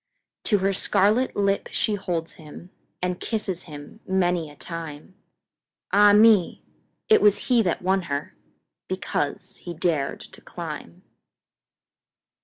To her scarlet lip she holds him, And kisses him many a time—Ah, me! it was he that won herBecause he dared to climb!